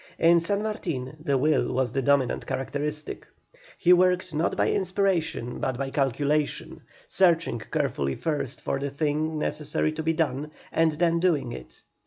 In San Martin the will was the dominant characteristic. He worked not by inspiration but by calculation, searching carefully first for the thing necessary to be done, and then doing it.